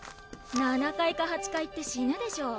７階か８階って死ぬでしょ。